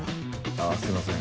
あすいません